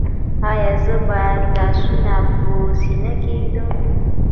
ایا زه باید لاسونه په سینه کیږدم؟